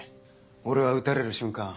俺は撃たれる瞬間